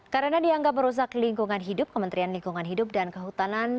karena dianggap merusak lingkungan hidup kementerian lingkungan hidup dan kehutanan